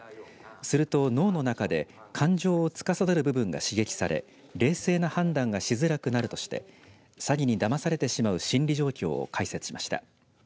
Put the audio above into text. すると、脳の中で感情をつかさどる部分が刺激され冷静な判断がしづらくなるとして詐欺にだまされてしまう心理状況を解説しました。